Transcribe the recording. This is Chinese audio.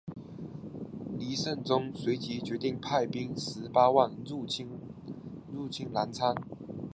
黎圣宗随即决定派兵十八万入侵澜沧。